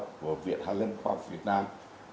của viện hln khoa học việt nam